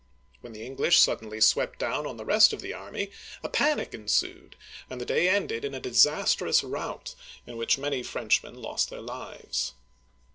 When the English suddenly swept down on the rest of the army, a panic ensued, and the day ended in a disastrous rout in which many French men lost their lives.